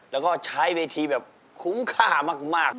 แล้วก็ใช้เวทีแบบคุ้มค่ามาก